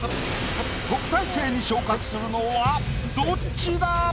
特待生に昇格するのはどっちだ？